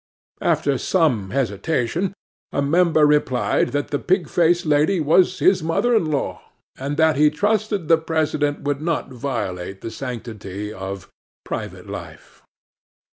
'After some hesitation a Member replied that the pig faced lady was his mother in law, and that he trusted the President would not violate the sanctity of private life.